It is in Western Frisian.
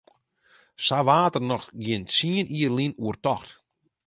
Sa waard dêr noch gjin tsien jier lyn oer tocht.